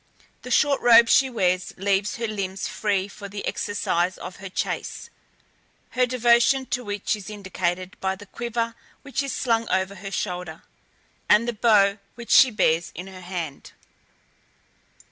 The short robe she wears, leaves her limbs free for the exercise of the chase, her devotion to which is indicated by the quiver which is slung over her shoulder, and the bow which she bears in her hand.